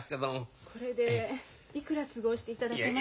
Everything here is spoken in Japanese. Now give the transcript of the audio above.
これでいくら都合していただけます？